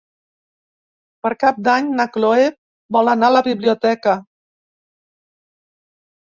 Per Cap d'Any na Chloé vol anar a la biblioteca.